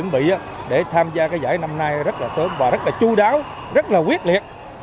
bà rất là chú đáo rất là quyết liệt